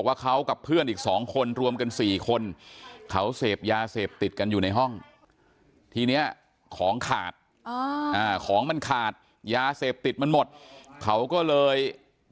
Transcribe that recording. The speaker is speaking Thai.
พี่เขาพึ่งพี่เขาพึ่งพี่เขาพึ่งพี่เขาพึ่งพี่เขาพึ่งพี่เขาพึ่งพี่เขาพึ่ง